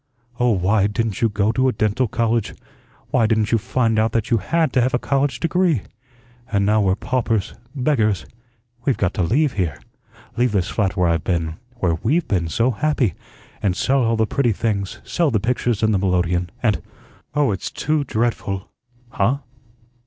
Oh, why didn't you go to a dental college? Why didn't you find out that you had to have a college degree? And now we're paupers, beggars. We've got to leave here leave this flat where I've been where WE'VE been so happy, and sell all the pretty things; sell the pictures and the melodeon, and Oh, it's too dreadful!" "Huh?